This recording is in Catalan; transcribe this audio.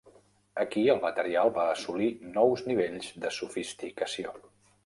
Aquí el material va assolir nous nivells de sofisticació.